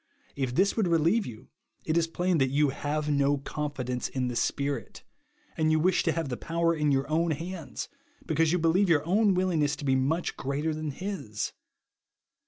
If this would relieve you, it is plain that you have no confidence in the Spirit; and you wish to have the power in your own hands, because you believe your own willingness to be much greater than his.